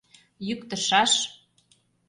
Йӱктышаш.